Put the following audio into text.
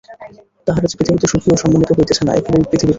তাহারা যে পৃথিবীতে সুখী ও সম্মানিত হইতেছে না এ কেবল পৃথিবীর দোষ।